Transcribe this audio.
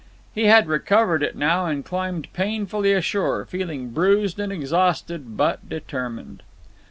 He had recovered it now and climbed painfully ashore, feeling bruised and exhausted, but determined.